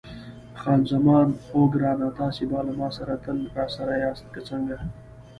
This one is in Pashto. خان زمان: اوه ګرانه، تاسي به له ما سره تل راسره یاست، که څنګه؟